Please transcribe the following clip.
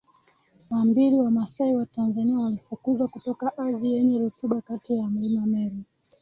na mbili Wamasai wa Tanzania walifukuzwa kutoka ardhi yenye rutuba kati ya Mlima Meru